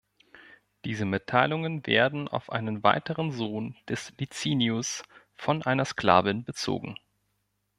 Diese Mitteilungen werden auf einen weiteren Sohn des Licinius von einer Sklavin bezogen.